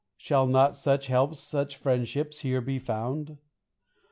Shall not such helps, such friendships here be found?